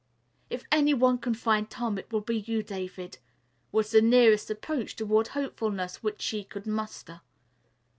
"If any one can find Tom it will be you, David," was the nearest approach toward hopefulness which she could muster.